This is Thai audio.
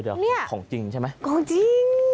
เดี๋ยวของจริงใช่ไหมของจริง